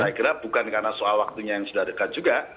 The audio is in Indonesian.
saya kira bukan karena soal waktunya yang sudah dekat juga